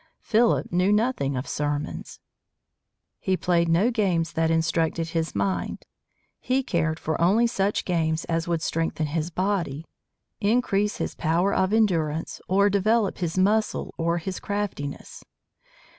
Philip knew nothing of sermons. He played no games that instructed his mind. He cared for only such games as would strengthen his body, increase his power of endurance, or develop his muscle or his craftiness.